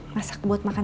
masak buat makan